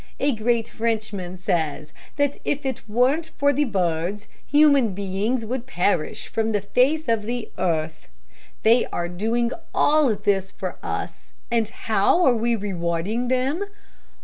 A great Frenchman says that if it weren't for the birds human beings would perish from the face of the earth. They are doing all this for us, and how are we rewarding them?